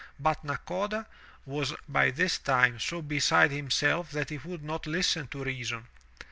But Nakoda was by this time so beside himself that he would not listen to reason.